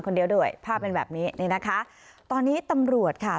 คนเดียวด้วยภาพเป็นแบบนี้นี่นะคะตอนนี้ตำรวจค่ะ